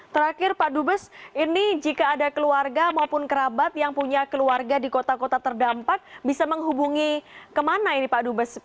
terakhir pak dubes ini jika ada keluarga maupun kerabat yang punya keluarga di kota kota terdampak bisa menghubungi kemana ini pak dubes